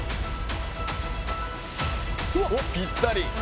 ぴったり。